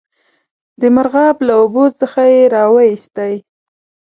د مرغاب له اوبو څخه یې را وایستی.